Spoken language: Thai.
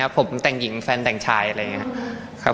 ผมแต่งหญิงแฟนแต่งชายอะไรอย่างนี้